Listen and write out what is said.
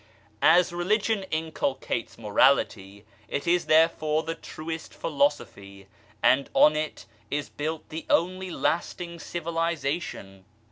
As Religion inculcates morality, it is therefore the truest philosophy, and on it is built the only lasting civilization.